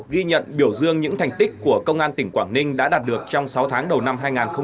ghi nhận biểu dương những thành tích của công an tỉnh quảng ninh đã đạt được trong sáu tháng đầu năm hai nghìn hai mươi ba